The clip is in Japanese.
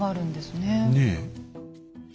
ねえ。